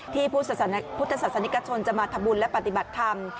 ที่พุทธศาสนิกชนจะมาทำบุญและปฏิบัติธรรม